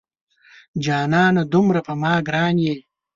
جانانه دومره په ما ګران یې